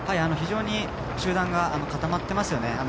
非常に集団が固まってますよね。